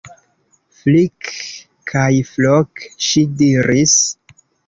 Flik kaj Flok, ŝi diris.